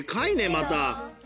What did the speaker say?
また。